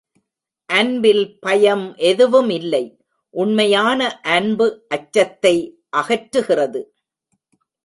அன்பில் பயம் எதுவுமில்லை உண்மையான அன்பு அச்சத்தை அகற்றுகிறது.